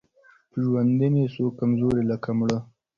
په ژوندوني سو کمزوری لکه مړی